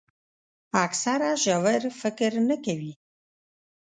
اکثره ژور فکر نه کوي.